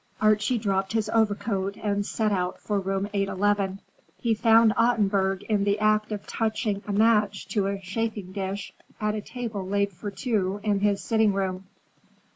Archie dropped his overcoat and set out for room 811. He found Ottenburg in the act of touching a match to a chafing dish, at a table laid for two in his sitting room.